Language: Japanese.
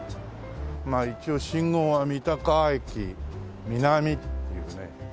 一応信号は「三鷹駅南」っていうね。